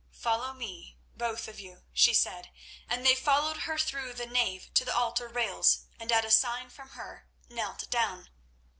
"Follow me, both of you," she said, and they followed her through the nave to the altar rails, and at a sign from her knelt down.